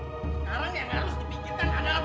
sekarang yang harus dipikirkan adalah